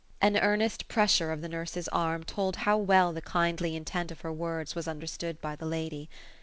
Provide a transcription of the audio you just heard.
An earnest pressure of the nurse's arm, told how well the kindly intent of her words was understood by the lady.